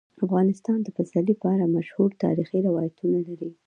افغانستان د پسرلی په اړه مشهور تاریخی روایتونه لري.